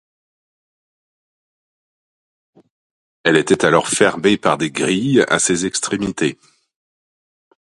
Elle était alors fermée par des grilles à ses extrémités.